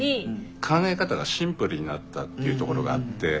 考え方がシンプルになったっていうところがあって。